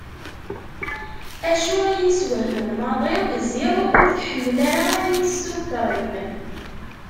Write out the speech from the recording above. Acu i y-isswehmen maḍi, ziɣ ur tḥemmel ara ayen isukṛin.